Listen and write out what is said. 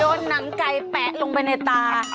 หนังไก่แปะลงไปในตา